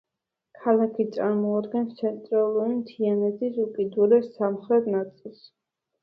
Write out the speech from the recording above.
ქალაქი წარმოადგენს ცენტრალური მთიანეთის უკიდურეს სამხრეთ ნაწილს.